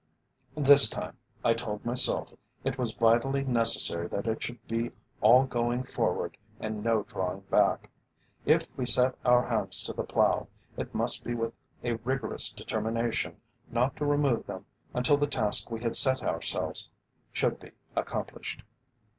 This time, I told myself, it was vitally necessary that it should be all going forward and no drawing back. If we set our hands to the plough, it must be with a rigorous determination not to remove them until the task we had set ourselves should be accomplished.